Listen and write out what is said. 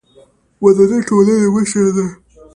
مدني ټولنې مشر دی.